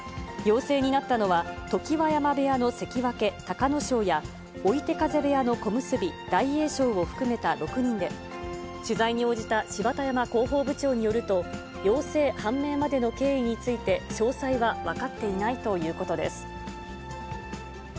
陽性になったのは、常盤山部屋の関脇・隆の勝や追手風部屋の小結・大栄翔を含めた６人で、取材に応じた芝田山広報部長によると、陽性判明までの経緯について、詳細は分かっていないということです。